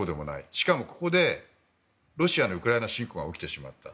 しかも、ここでロシアのウクライナ侵攻が起きてしまった。